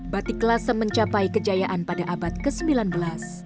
batik lasem mencapai kejayaan pada abad ke sembilan belas